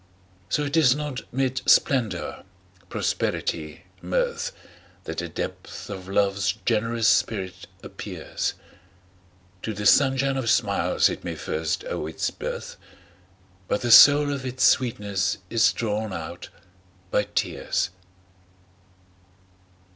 So it is not mid splendor, prosperity, mirth, That the depth of Love's generous spirit appears; To the sunshine of smiles it may first owe its birth, But the soul of its sweetness is drawn out by tears.